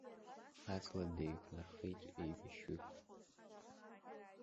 Аҵла деиқәнархеит еибашьҩык.